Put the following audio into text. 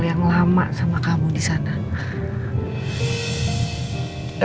yang lama sama kamu disana